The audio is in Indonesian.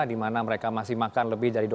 dimana mereka masih makan lebih dari dua puluh menit